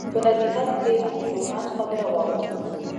په نصیحت کښېنه، د پوهانو خبره واوره.